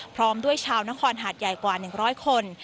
พร้อมด้วยชาวนครหาดใหญ่กว่า๑๐๐คน